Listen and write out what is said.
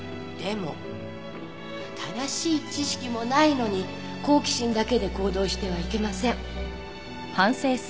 でも正しい知識もないのに好奇心だけで行動してはいけません。